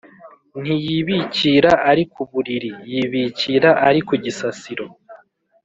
Ntiyibikira ari ku Buriri, yibikira ari ku gisasiro